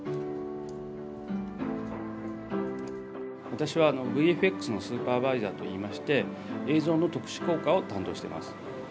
私はＶＦＸのスーパーバイザーといいまして映像の特殊効果を担当してます。